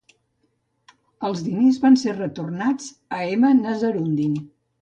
Els diners van ser retornats a M. Nazaruddin.